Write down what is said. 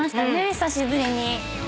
久しぶりに。